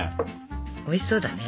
おいしそうだね。